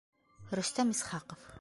Рөстәм ИСХАҠОВ